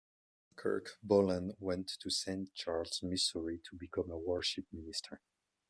Kirk Bolen went to Saint Charles, Missouri, to become a worship minister.